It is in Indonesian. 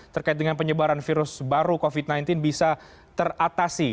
terkait dengan penyebaran virus baru covid sembilan belas bisa teratasi